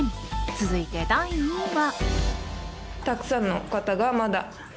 続いて、第２位は。